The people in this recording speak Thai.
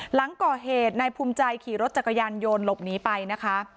หลังก่อเหตุนายภูมิใจขี่รถจักรยานโยนหลบหนีไปนะคะ